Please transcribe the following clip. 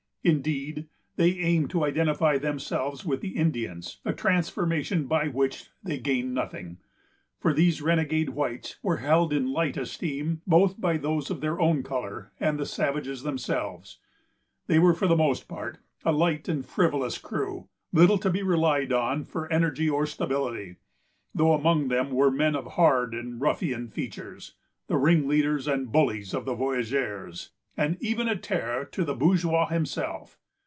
Indeed, they aimed to identify themselves with the Indians, a transformation by which they gained nothing; for these renegade whites were held in light esteem, both by those of their own color and the savages themselves. They were for the most part a light and frivolous crew, little to be relied on for energy or stability; though among them were men of hard and ruffian features, the ringleaders and bullies of the voyageurs, and even a terror to the Bourgeois himself.